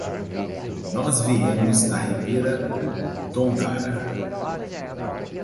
Nós viemos da Ribera d'Ondara.